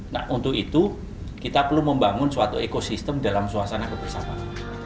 nah untuk itu kita perlu membangun suatu ekosistem dalam suasana kebersamaan